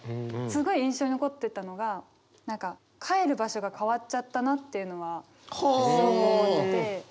すごい印象に残ってたのが帰る場所が変わっちゃったなっていうのはすごく思ってて。